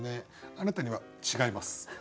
あなたには「違います」。